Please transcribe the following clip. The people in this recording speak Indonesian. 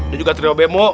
dan juga trio bemo